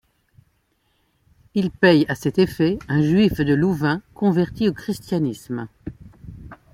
Il paye à cet effet un Juif de Louvain converti au christianisme.